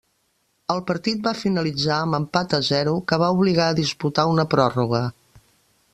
El partit va finalitzar amb empat a zero, que va obligar a disputar una pròrroga.